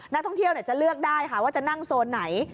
นักท่องเที่ยวจะเลือกได้ค่ะว่าจะนั่งโซนไหน